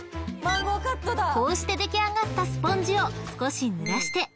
［こうして出来上がったスポンジを少しぬらして］